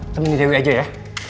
temen di dewi aja ya